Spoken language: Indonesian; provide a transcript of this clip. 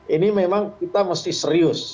ini memang kita mesti serius